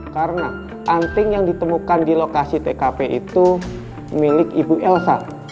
karena anting yang ditemukan di lokasi tkp itu milik ibu elsa